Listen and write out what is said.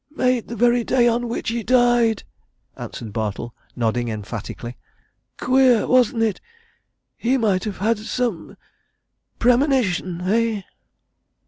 "Made the very day on which he died," answered Bartle, nodding emphatically. "Queer, wasn't it? He might have had some premonition, eh?"